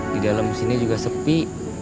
di dalam sini juga sepi